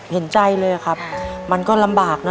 เห็นใจเลยครับมันก็ลำบากนะ